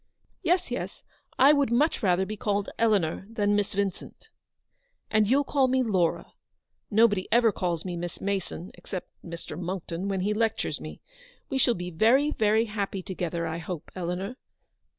" Yes, yes ; I would much rather be called Eleanor than Miss Vincent." " And you'll call me Laura. Nobody ever calls me Miss Mason except Mr. Monckton when he lectures me. We shall be very, very happy together, I hope, Eleanor."